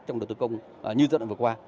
trong đầu tư công như dẫn lại vừa qua